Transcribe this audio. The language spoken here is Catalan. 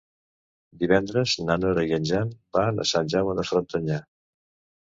Divendres na Nora i en Jan van a Sant Jaume de Frontanyà.